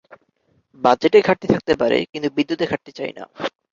বাজেটে ঘাটতি থাকতে পারে, কিন্তু বিদ্যুতে ঘাটতি চাই না।